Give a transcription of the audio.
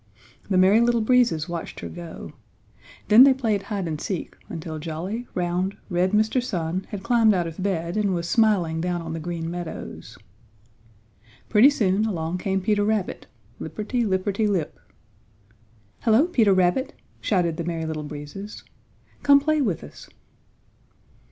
The Merry Little Breezes watched her go. Then they played hide and seek until jolly, round, red Mr. Sun had climbed out of bed and was smiling down on the Green Meadows. Pretty soon along came Peter Rabbit, lipperty lipperty lip. "Hello, Peter Rabbit!" shouted the Merry Little Breezes. "Come play with us!"